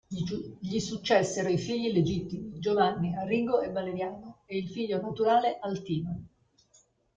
Gli successero i figli legittimi Giovanni, Arrigo e Valeriano e il figlio naturale Altino.